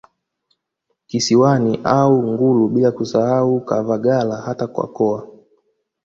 Kisiwani au Ngullu bila kusahau Kavagala hata Kwakoa